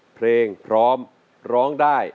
เพลงพร้อมร้องได้